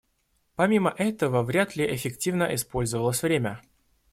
Помимо этого, вряд ли эффективно использовалось время.